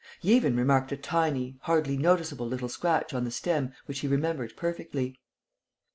He even remarked a tiny, hardly noticeable little scratch on the stem which he remembered perfectly.